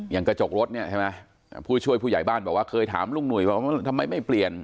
กระจกรถเนี่ยใช่ไหมผู้ช่วยผู้ใหญ่บ้านบอกว่าเคยถามลุงหนุ่ยว่าทำไมไม่เปลี่ยน